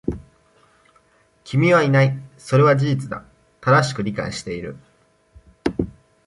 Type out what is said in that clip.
君はいない。それは事実だ。正しく理解している。